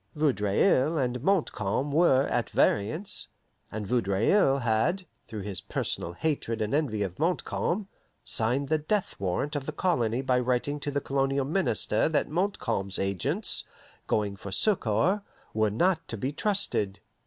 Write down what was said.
Vaudreuil and Montcalm were at variance, and Vaudreuil had, through his personal hatred and envy of Montcalm, signed the death warrant of the colony by writing to the colonial minister that Montcalm's agents, going for succour, were not to be trusted.